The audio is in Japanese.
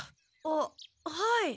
あっはい。